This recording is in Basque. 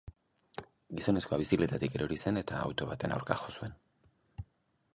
Gizonezkoa bizikletatik erori zen eta auto baten aurka jo zuen.